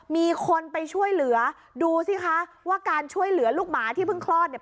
มีคนไปช่วยเหลือดูสิคะว่าการช่วยเหลือลูกหมาที่เพิ่งคลอดเนี่ย